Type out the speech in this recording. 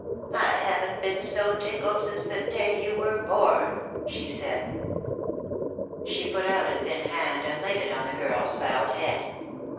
"I haven't been so tickled since the day you were born," she said. She put out a thin hand and laid it on the girl's bowed head.